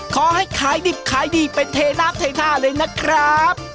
ขอให้ขายดิบขายดีเป็นเทน้ำเทท่าเลยนะครับ